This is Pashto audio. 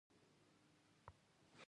د پاکستان لومړی وزیر بابوجي ډېر بد غږېږي